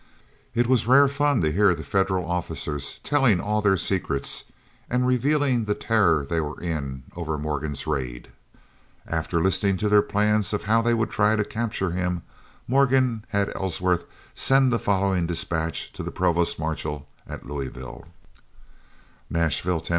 It was rare fun to hear the Federal officers telling all their secrets, and revealing the terror they were in over Morgan's raid. After listening to their plans of how they would try to capture him, Morgan had Ellsworth send the following dispatch to the provost marshal at Louisville: Nashville, Tenn.